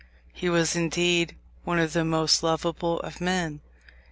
He was indeed one of the most lovable of men.